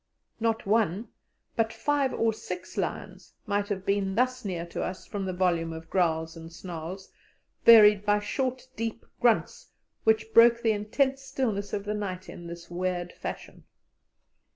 Not one, but five or six lions, might have been thus near to us from the volume of growls and snarls, varied by short deep grunts, which broke the intense stillness of the night in this weird fashion.